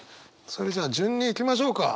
それじゃあ順にいきましょうか。